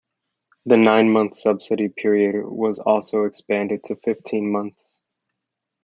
The nine-month subsidy period was also expanded to fifteen months.